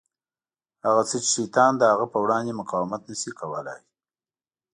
هغه څه چې شیطان د هغه په وړاندې مقاومت نه شي کولای.